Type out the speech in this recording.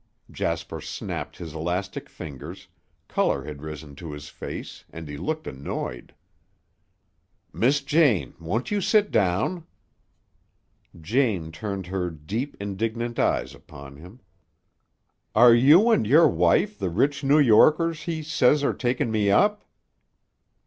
Jasper snapped his elastic fingers, color had risen to his face, and he looked annoyed. "Miss Jane, won't you sit down?" Jane turned her deep, indignant eyes upon him. "Are you and your wife the rich New Yorkers he says are takin' me up?"